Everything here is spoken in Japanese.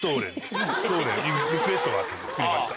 リクエストがあったんで作りました。